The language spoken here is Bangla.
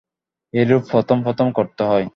এইরূপ প্রথম প্রথম করতে হয়।